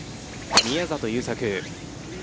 宮里優作。